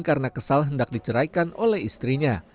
karena kesal hendak diceraikan oleh istrinya